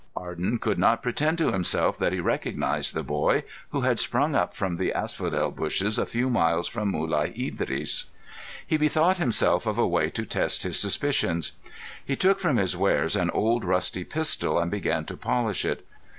Arden could not pretend to himself that he recognised the boy who had sprung up from the asphodel bushes a few miles from Mulai Idris. He bethought himself of a way to test his suspicions. He took from his wares an old rusty pistol and began to polish it.